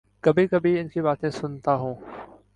کبھی کبھی ان کی باتیں سنتا ہوں۔